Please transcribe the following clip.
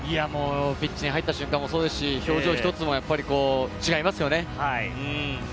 ピッチに入った瞬間もそうですし、表情ひとつも違いますよね。